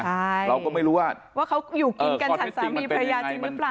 เราก็ไม่รู้ว่าว่าเขาอยู่กินกันฉันสามีพระยาจริงหรือเปล่า